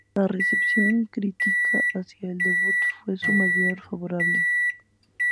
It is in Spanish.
La recepción crítica hacia el debut fue en su mayoría favorable.